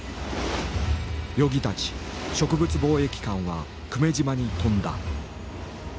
与儀たち植物防疫官は久米島に飛んだ。